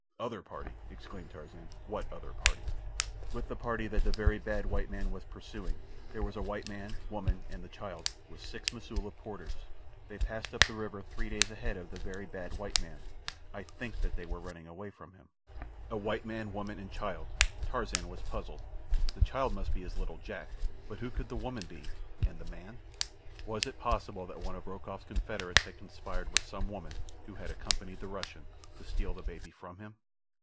"Other party!" exclaimed Tarzan. "What other party?" "With the party that the very bad white man was pursuing. There was a white man, woman, and the child, with six Mosula porters. They passed up the river three days ahead of the very bad white man. I think that they were running away from him." A white man, woman, and child! Tarzan was puzzled. The child must be his little Jack; but who could the woman be—and the man? Was it possible that one of Rokoff's confederates had conspired with some woman—who had accompanied the Russian—to steal the baby from him?